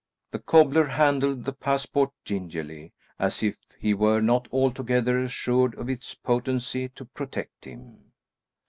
The cobbler handled the passport gingerly, as if he were not altogether assured of its potency to protect him.